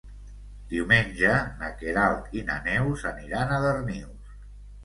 Diumenge na Queralt i na Neus aniran a Darnius.